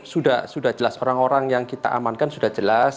sudah jelas orang orang yang kita amankan sudah jelas